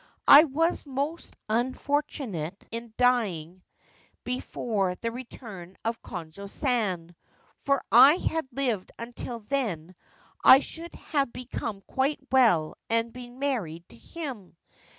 ' I was most unfortunate in dying before the return of Konojo San, for had I lived until then I should have become quite well and been married to him.